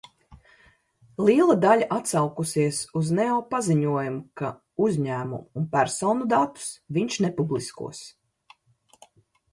Liela daļa atsaukusies uz Neo paziņojumu, ka uzņēmumu un personu datus viņš nepubliskos.